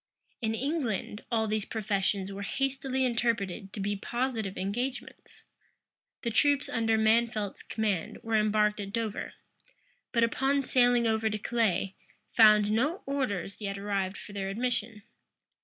In England, all these professions were hastily interpreted to be positive engagements. The troops under Mansfeldt's command were embarked at Dover; but, upon sailing over to Calais, found no orders yet arrived for their admission.